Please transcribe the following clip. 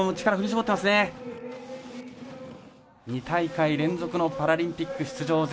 ２大会連続のパラリンピック出場。